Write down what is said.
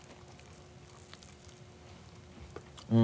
うん。